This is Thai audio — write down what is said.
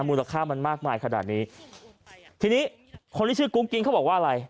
มูลค่ามันมากมายขนาดนี้ทีนี้คนที่ชื่อกุ้งกิ๊งเขาบอกว่าอะไร